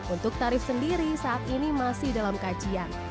untuk tarif sendiri saat ini masih dalam kajian